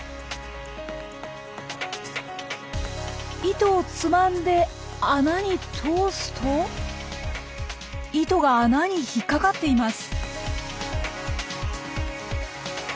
糸をつまんで穴に通すと糸が穴に引っ掛かっています。